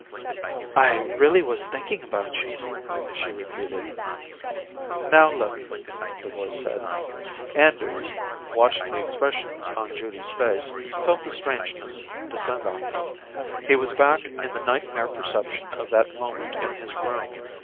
"I really was thinking about you," she repeated. "Now look," the voice said. Anders, watching the expressions on Judy's face, felt the strangeness descend on him. He was back in the nightmare perception of that moment in his room.